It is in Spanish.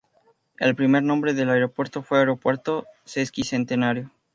El primer nombre del aeropuerto fue "Aeropuerto Sesquicentenario".